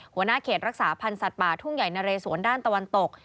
หัวหน้าเขตรักษาพันธ์สัตว์ป่าทุ่งใหญ่นะเรสวนด้านตะวันตก